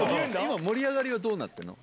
盛り上がりはどうなってるの？